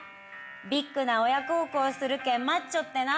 ビッグな親孝行するけん待っちょってな。